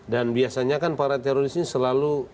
dan biasanya kan para teroris ini selalu